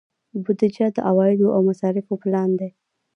بودجه د عوایدو او مصارفو پلان دی